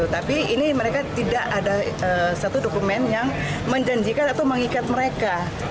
tapi ini mereka tidak ada satu dokumen yang menjanjikan atau mengikat mereka